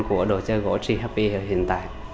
của đồ chơi gỗ g happy hiện tại